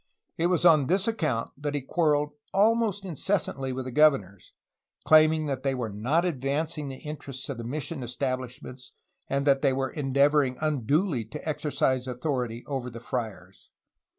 It was on this account that he quarreled almost incessantly with the governors, claiming that they were not advancing the interests of the mission establishments and that they were endeavoring unduly to exercise authority over the friars.